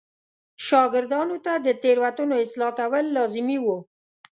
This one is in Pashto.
شاګردانو ته د تېروتنو اصلاح کول لازمي و.